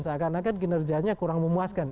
seakan akan kinerjanya kurang memuaskan